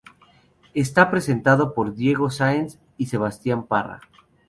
Está presentado por Diego Sáenz y Sebastián Parra.